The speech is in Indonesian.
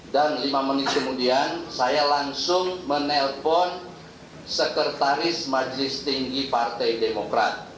dan lima menit kemudian saya langsung menelpon sekretaris majlis tinggi partai demokrat